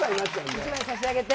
１枚差し上げて。